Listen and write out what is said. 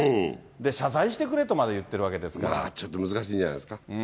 謝罪してくれとまで言ってるわけちょっと難しいんじゃないですか。